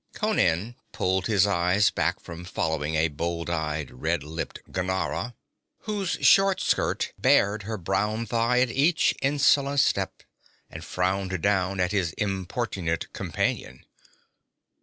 Conan pulled his eyes back from following a bold eyed, red lipped Ghanara whose short skirt bared her brown thigh at each insolent step, and frowned down at his importunate companion.